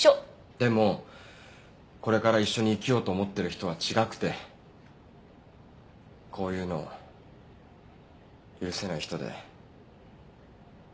でもこれから一緒に生きようと思ってる人は違くてこういうの許せない人で。